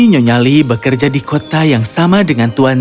nyonyali bekerja di kota yang sama dengan tuan